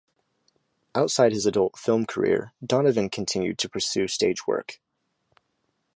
Outside his adult film career, Donovan continued to pursue stage work.